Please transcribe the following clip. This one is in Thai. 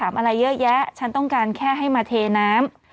อะไรเยอะแยะฉันต้องการแค่ให้มาเทน้ำ